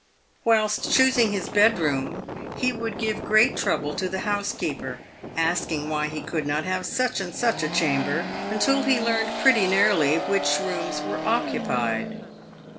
"Whilst choosing his bedroom, he would give great trouble to the housekeeper, asking why he could not have such and such a chamber, until he learned pretty nearly which rooms were occupied.